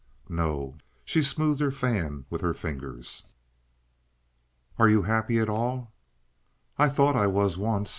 "No." She smoothed her fan with her fingers. "Are you happy at all?" "I thought I was once.